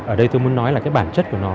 ở đây tôi muốn nói là cái bản chất của nó